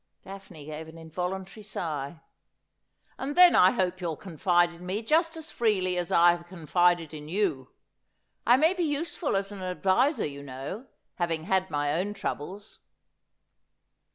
Daphne gave an involuntary sigh. ' And then I hope you'll confide in me just as freely as I have confided in you. I may be useful as an adviser, you know, having had my own troubles.'